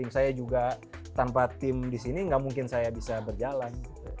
saya juga tanpa tim di sini nggak mungkin saya bisa berjalan